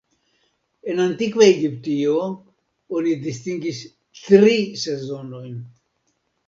En antikva Egiptio, oni distingis tri sezonojn.